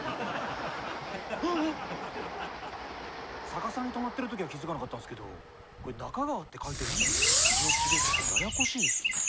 逆さに止まってるときは気付かなかったんですけどこれ「中川」って書いてるのに「イオキベ」ってややこしいですよね。